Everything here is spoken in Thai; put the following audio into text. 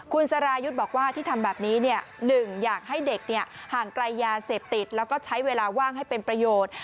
คุณสรายุทธ์บอกว่าที่ทำแบบนี้๑อยากให้เด็กห่างไกลยาเสพติดแล้วก็ใช้เวลาว่างให้เป็นประโยชน์